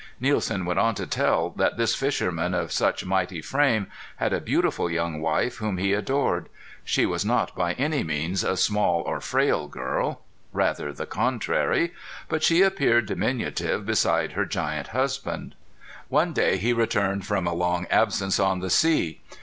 Nielsen went on to tell that this fisherman of such mighty frame had a beautiful young wife whom he adored. She was not by any means a small or frail girl rather the contrary but she appeared diminutive beside her giant husband. One day he returned from a long absence on the sea.